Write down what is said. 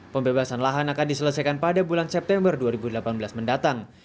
pembebasan lahan akan diselesaikan pada bulan september dua ribu delapan belas mendatang